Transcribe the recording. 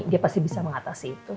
dia pasti bisa mengatasi itu